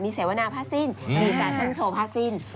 เสวนาผ้าสิ้นมีแฟชั่นโชว์ผ้าสิ้น